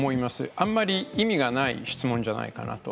あんまり意味がない質問じゃないかなと。